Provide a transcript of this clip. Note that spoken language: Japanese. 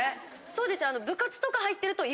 そうです。